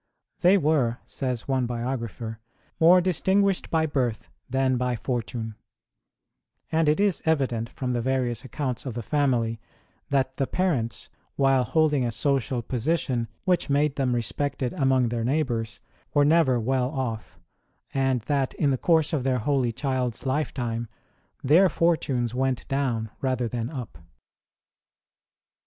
They were, says one bio grapher, more distinguished by birth than by fortune ; and it is evident from the various accounts of the family that the parents, while holding a social position which made them respected among their neighbours, were never well off, and that, in the course of their holy child s lifetime, their fortunes went down rather than up.